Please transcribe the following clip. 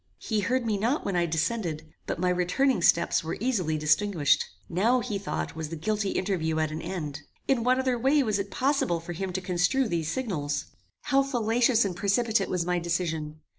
He heard me not when I descended; but my returning steps were easily distinguished. Now he thought was the guilty interview at an end. In what other way was it possible for him to construe these signals? How fallacious and precipitate was my decision!